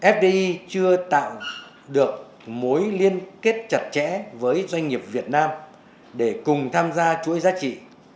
fdi chưa tạo được mối liên kết chặt chẽ với doanh nghiệp việt nam để cùng tham gia chuỗi giá trị